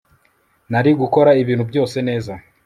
nari gukora ibintu byose neza